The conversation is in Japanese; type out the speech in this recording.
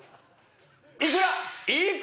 「いくら」！